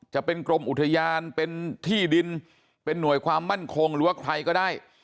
จะเป็นกรมอุทยานเป็นที่ดินเป็นหน่วยความมั่นคงหรือว่าใครก็ได้